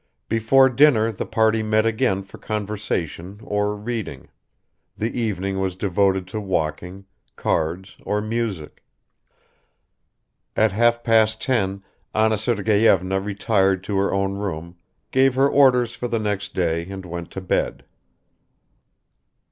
Before dinner the party met again for conversation or reading; the evening was devoted to walking, cards, or music; at half past ten Anna Sergeyevna retired to her own room, gave her orders for the next day and went to bed.